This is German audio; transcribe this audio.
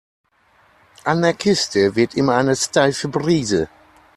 An der Küste weht immer eine steife Brise.